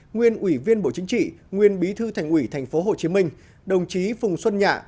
nguyên ủy viên bộ chính trị nguyên bí thư thành ủy tp hcm đồng chí phùng xuân nhạ